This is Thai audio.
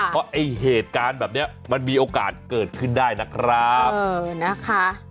เพราะไอ้เหตุการณ์แบบนี้มันมีโอกาสเกิดขึ้นได้นะครับเออนะคะ